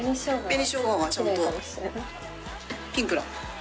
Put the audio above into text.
紅ショウガがちゃんとピンクだ。